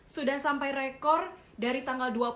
sudah sampai rekor dari tanggal